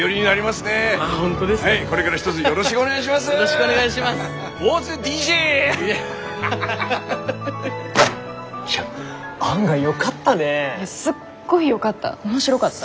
すっごいよかった。